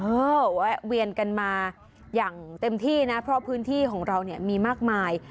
แวะเวียนกันมาอย่างเต็มที่นะเพราะพื้นที่ของเราเนี่ยมีมากมาย